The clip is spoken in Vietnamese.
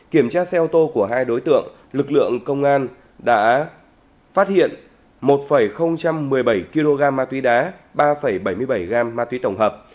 kiểm tra xe ô tô của hai đối tượng lực lượng công an đã phát hiện một một mươi bảy kg ma túy đá ba bảy mươi bảy gram ma túy tổng hợp